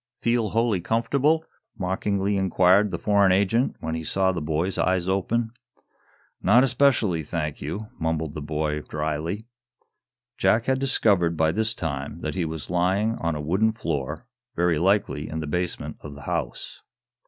"Feel wholly comfortable?" mockingly inquired the foreign agent, when he saw the boy's eyes open. "Not especially, thank you," mumbled the boy, dryly. Jack had discovered, by this time, that he was lying on a wooden floor, very likely in the basement of the house.